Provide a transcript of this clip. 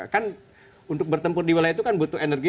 kan untuk bertempur di wilayah itu kan butuh energi